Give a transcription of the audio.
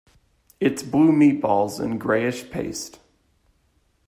It's blue meatballs in greyish paste...